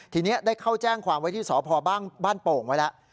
ทีนี้ได้เข้าแจ้งความไว้ที่สพบ้านโป่งไว้แล้ว